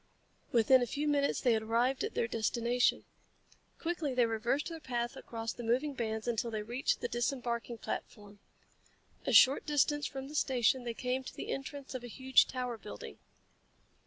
Within a few minutes they had arrived at their destination. Quickly they reversed their path across the moving bands until they reached the disembarking platform. A short distance from the station they came to the entrance of a huge tower building.